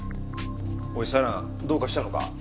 おい四朗どうかしたのか？